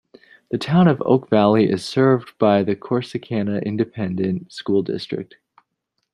The Town of Oak Valley is served by the Corsicana Independent School District.